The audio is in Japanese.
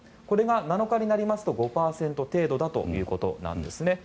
これが７日になりますと５％程度だということです。